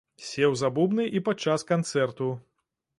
Сеў за бубны і падчас канцэрту.